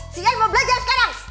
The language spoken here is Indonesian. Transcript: si ian mau belajar sekarang